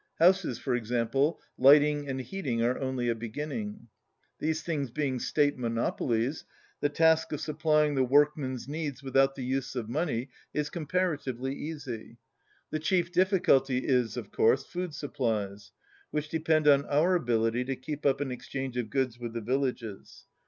Houses, for example, lighting and heating are only a beginning. These things being state mo nopolies, the task of supplying the workman's needs without the use of money is comparatively easy. The chief difficulty is, of course, food sup plies, which depend on our ability to keep up an exchange of goods with the villages.